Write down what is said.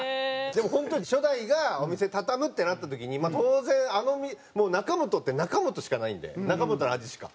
でも本当に初代がお店畳むってなった時に当然中本って中本しかないんで中本の味しか。